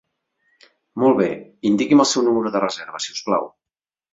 Molt bé, indiqui'm el seu número de reserva si us plau.